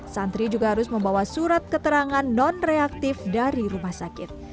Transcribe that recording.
santri juga harus membawa surat keterangan non reaktif dari rumah sakit